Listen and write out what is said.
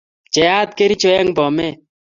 pchiyat kericho eng' bomet